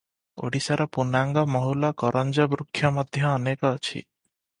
ଓଡ଼ିଶାରେ ପୁନାଙ୍ଗ, ମହୁଲ, କରଞ୍ଜବୃକ୍ଷ ମଧ୍ୟ ଅନେକ ଅଛି ।